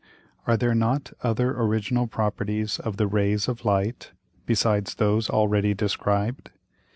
Are there not other original Properties of the Rays of Light, besides those already described?